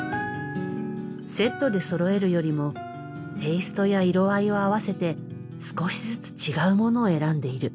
セットでそろえるよりもテイストや色合いを合わせて少しずつ違うものを選んでいる。